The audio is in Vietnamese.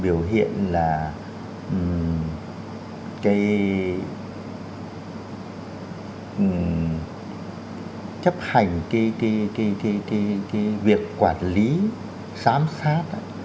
biểu hiện là cái chấp hành cái việc quản lý giám sát